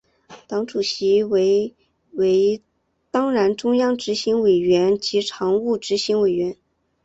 党主席为为当然中央执行委员及常务执行委员。